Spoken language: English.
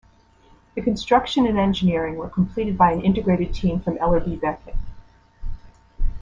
The construction and engineering were completed by an integrated team from Ellerbe Becket.